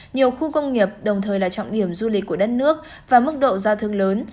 nhiều khu công nghiệp đồng thời là trọng điểm du lịch của đất nước và mức độ giao thương lớn